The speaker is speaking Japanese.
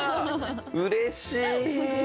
うれしい！